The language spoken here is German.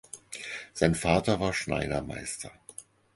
Sein Vater war Schneidermeister.